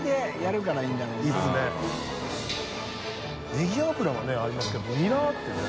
ネギ油はねありますけどニラってね。